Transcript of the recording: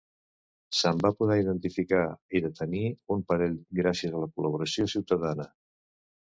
Se'n va poder identificar i detenir un parell gràcies a la col·laboració ciutadana.